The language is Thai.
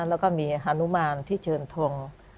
แล้วก็มีฮานุมานที่เชิญทง